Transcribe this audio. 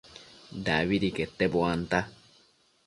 dabidi quete buanta